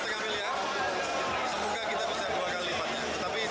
kita siapkan bonus